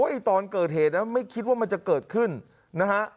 ไอ้ตอนเกิดเหตุนะไม่คิดว่ามันจะเกิดขึ้นนะฮะ